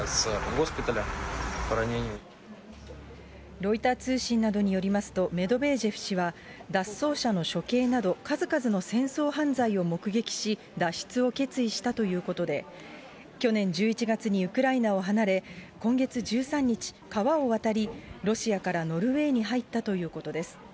ロイター通信などによりますと、メドベージェフ氏は、脱走者の処刑など、数々の戦争犯罪を目撃し、脱出を決意したということで、去年１１月にウクライナを離れ、今月１３日、川を渡り、ロシアからノルウェーに入ったということです。